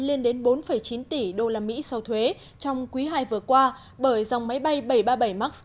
lên đến bốn chín tỷ đô la mỹ sau thuế trong quý ii vừa qua bởi dòng máy bay bảy trăm ba mươi bảy mark ii